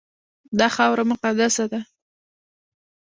دا خاوره مقدسه ده.